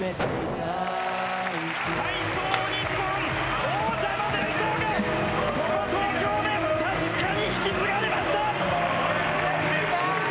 体操日本、王者の伝統この東京で確かに引き継がれました。